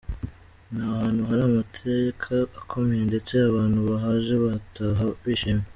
Ni ahantu hari amateka akomeye, ndetse abantu bahaje bataha bishimye.